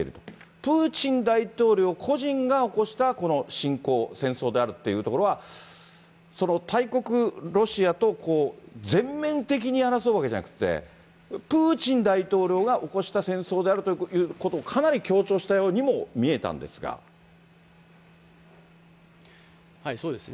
プーチン大統領個人が起こしたこの侵攻、戦争であるというところは、その大国ロシアと全面的に争うわけじゃなくて、プーチン大統領が起こした戦争であるということをかなり強調したそうですね。